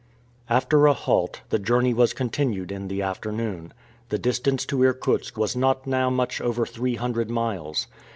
After a halt, the journey was continued in the afternoon. The distance to Irkutsk was not now much over three hundred miles.